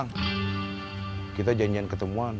kang kita janjian ketemuan